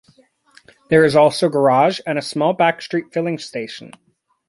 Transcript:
There is also a garage and a small backstreet filling station.